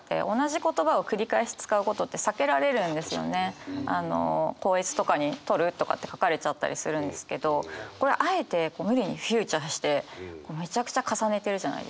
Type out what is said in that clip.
基本的には校閲とかに「取る？」とかって書かれちゃったりするんですけどこれあえて「無理」にフィーチャーしてめちゃくちゃ重ねてるじゃないですか。